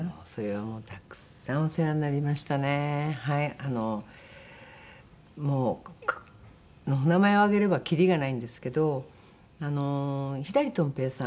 あのもうお名前を挙げればきりがないんですけどあの左とん平さん。